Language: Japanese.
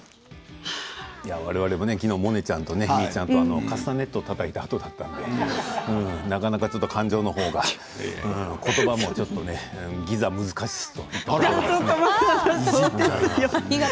われわれもきのうモネちゃんとみーちゃんとカスタネットをたたいたあとだったのでなかなか感情のほうがことばもちょっとねギザ難しす。